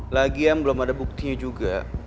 lagian belum ada buktinya juga